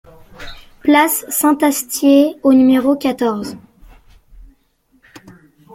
Place Saint-Astier au numéro quatorze